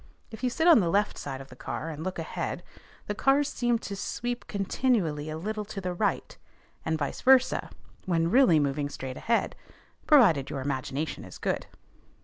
If you sit on the left side of the car, and look ahead, the cars seem to sweep continually a little to the right, and vice versa, when really moving straight ahead, provided your imagination is good.